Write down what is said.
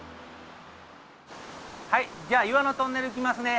はいじゃあ岩のトンネル行きますね。